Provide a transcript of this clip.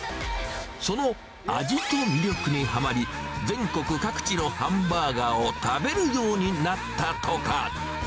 その味と魅力にはまり、全国各地のハンバーガーを食べるようになったとか。